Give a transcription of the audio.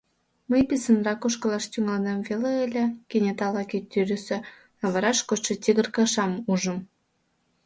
Мый писынрак ошкылаш тӱҥалнем веле ыле, кенета лаке тӱрысӧ лавыраш кодшо тигр кышам ужым.